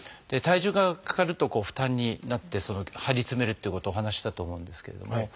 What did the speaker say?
体重がかかると負担になって張り詰めるっていうことをお話ししたと思うんですけれども。